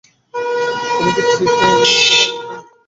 তুমি কি চিকেন কুপে অনেকদিন ধরে ছিলে?